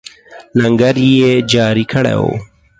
لنګر یې جاري کړی وو.